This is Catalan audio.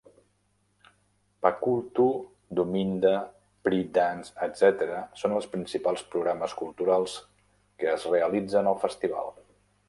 Pakhu-Itu, Daminda, Pree dance, etc., són els principals programes culturals que es realitzen al festival.